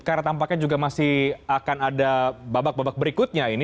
karena tampaknya juga masih akan ada babak babak berikutnya ini